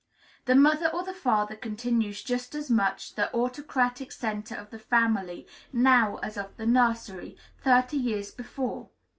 The mother or the father continues just as much the autocratic centre of the family now as of the nursery, thirty years before.